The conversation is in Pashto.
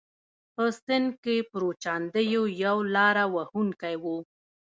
په سند کې پرو چاندیو یو لاره وهونکی و.